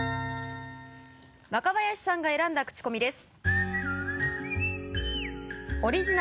若林さんが選んだクチコミです。